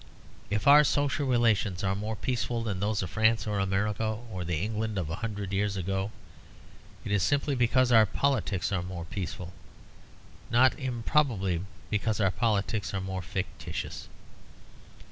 If our social relations are more peaceful than those of France or America or the England of a hundred years ago, it is simply because our politics are more peaceful; not improbably because our politics are more fictitious.